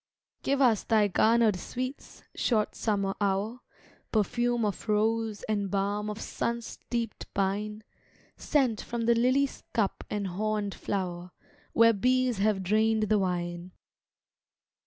Give us thy garnered sweets, short summer hour: Perfume of rose, and balm of sun steeped pine; Scent from the lily's cup and horned flower, Where bees have drained the wine.